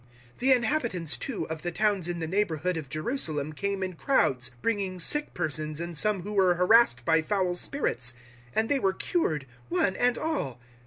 005:016 The inhabitants, too, of the towns in the neighbourhood of Jerusalem came in crowds, bringing sick persons and some who were harassed by foul spirits, and they were cured, one and all.